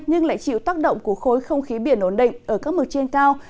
nhưng lại chịu tác động của khối không khí biển ổn định ở các mực trên cao